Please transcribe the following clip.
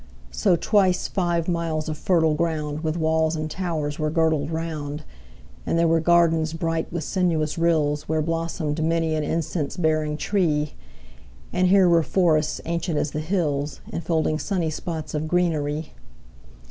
5 So twice five miles of fertile ground With walls and towers were girdled round: And there were gardens bright with sinuous rills Where blossom'd many an incense bearing tree; And here were forests ancient as the hills, 10 Enfolding sunny spots of greenery.